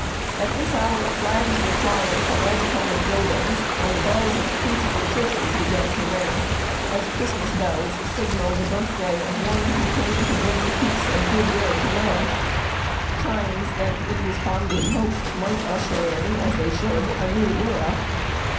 At this hour flags were flying from all the public buildings, and the bells of the principal churches began to ring, as Christmas bells signal the birthday of One who came to bring peace and good will to men chimes that, it was fondly hoped, might usher in, as they should, a new era.